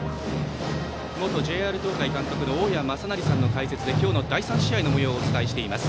元ＪＲ東海監督の大矢正成さんの解説で今日の第３試合のもようをお伝えしています。